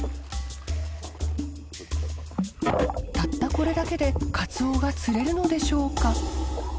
これだけでカツオが釣れるのでしょうか？